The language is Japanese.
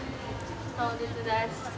当日です。